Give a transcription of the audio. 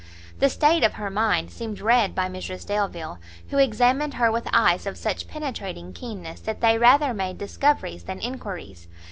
The state of her mind seemed read by Mrs Delvile, who examined her with eyes of such penetrating keenness, that they rather made discoveries than enquiries.